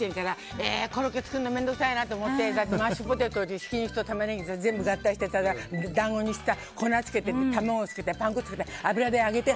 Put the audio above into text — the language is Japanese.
えー、コロッケ作るの面倒くさいなって思ってだってマッシュポテトにひき肉とか全部合体して団子にしてさ粉つけて卵をつけてパン粉をつけて油で揚げて。